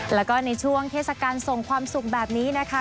แล้วก็ในช่วงเทศกาลส่งความสุขแบบนี้นะคะ